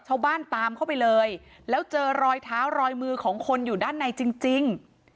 ชาวบ้านตามเข้าไปเลยแล้วเจอรอยเท้ารอยมือของคนอยู่ด้านในจริง